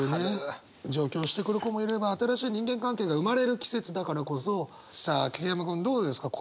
上京してくる子もいれば新しい人間関係が生まれる季節だからこそさあ桐山君どうですか？